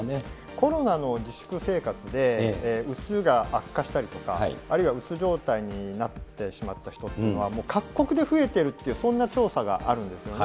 コロナの自粛生活でうつが悪化したりとか、あるいはうつ状態になってしまった人っていうのはもう各国で増えてるっていう、そんな調査があるんですよね。